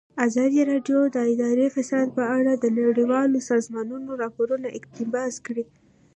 ازادي راډیو د اداري فساد په اړه د نړیوالو سازمانونو راپورونه اقتباس کړي.